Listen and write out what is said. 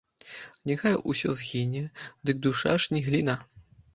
Няхай усё згіне, дык душа ж не гліна?